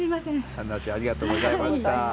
お話ありがとうございました。